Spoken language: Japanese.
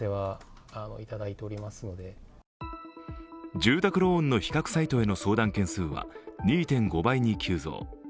住宅ローンの比較サイトへの相談件数は２．５倍に急増。